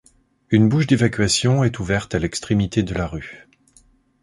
Une bouche d'évacuation est ouverte à l'extrémité de la rue.